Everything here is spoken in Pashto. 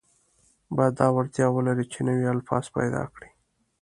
باید دا وړتیا ولري چې نوي الفاظ پیدا کړي.